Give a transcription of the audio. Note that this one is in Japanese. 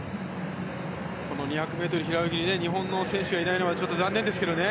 この２００ｍ平泳ぎで日本の選手がいないのが残念ですけどね。